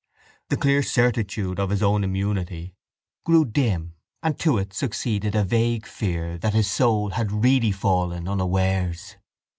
The clear certitude of his own immunity grew dim and to it succeeded a vague fear that his soul had really fallen unawares.